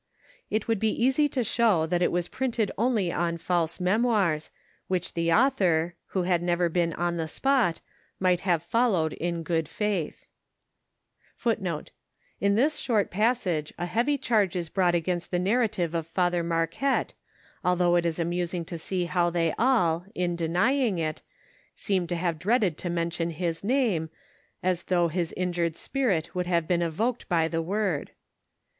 It would be easy to phow that it was printed only on false memoirs, which the author, who had never been on the spot, might have followed in good faith.f • An old term for paint used by the Indians. f In this short passage a heavy charge is brought against the narratire of Father Marquette, altliough it is amusing to see how they all, in denying i(^ Beem to have dreaded to mention his name, as though his injured spirit wotild have been evoked by the word.